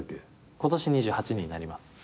今年２８になります。